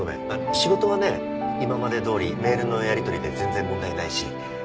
仕事はね今までどおりメールのやりとりで全然問題ないし。